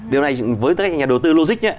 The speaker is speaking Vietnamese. điều này với các nhà đầu tư logic